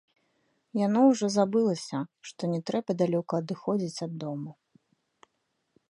Яно ўжо забылася, што не трэба далёка адыходзіць ад дому.